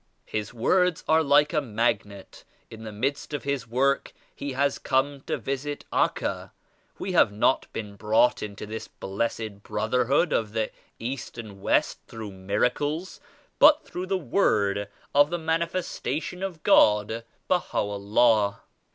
His words are like a magnet. In the midst of his work he has come to visit Acca. We have not been brought into this blessed brotherhood of the East and West through miracles but through the Word of the Manifestation of God Baha'u'llah.